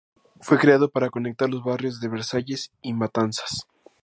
Fue creado para conectar los barrios de Versalles y Matanzas.